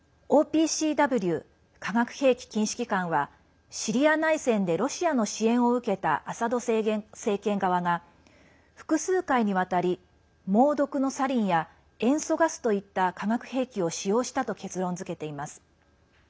ＯＰＣＷ＝化学兵器禁止機関はシリア内戦でロシアの支援を受けたアサド政権側が複数回にわたり猛毒のサリンや塩素ガスといった化学兵器を使用したと結論づけています。